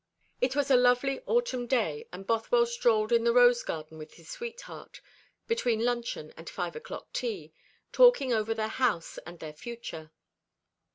It was a lovely autumn day, and Bothwell strolled in the rose garden with his sweetheart, between luncheon and five o'clock tea, talking over their house and their future.